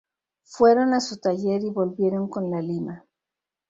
Fueron a su taller y volvieron con la lima.